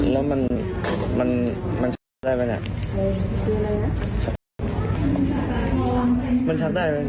แล้วมันชัดได้ไหมเนี่ย